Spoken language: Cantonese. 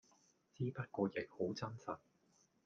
之不過亦好真實